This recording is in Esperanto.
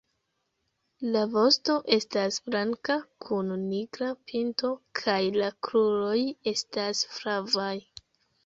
La vosto estas blanka kun nigra pinto kaj la kruroj estas flavaj.